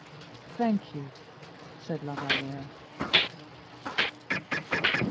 "Thank you," said La Valliere.